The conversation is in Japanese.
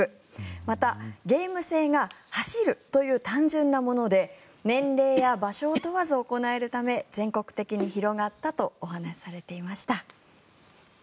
また、ゲーム性が走るという単純なもので年齢や場所を問わず行えるため全国的に広がったとお話しされていました。